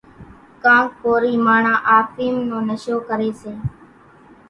ڪانڪ ڪورِي ماڻۿان آڦيم نو نشو ڪريَ سي۔